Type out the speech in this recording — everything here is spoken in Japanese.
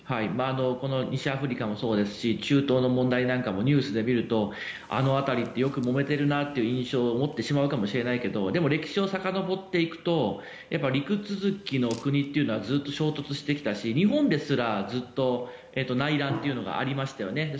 西アフリカもそうですし中東の問題なんかもニュースで見るとあの辺りってよくもめているなという印象を持ってしまうかもしれないけど歴史をさかのぼっていくと陸続きの国というのはずっと衝突してきたし日本ですらずっと内乱というのがありましたよね。